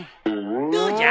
どうじゃ？